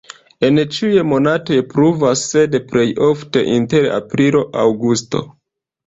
En ĉiuj monatoj pluvas, sed plej ofte inter aprilo-aŭgusto.